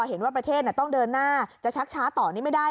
เห็นว่าประเทศต้องเดินหน้าจะชักช้าต่อนี่ไม่ได้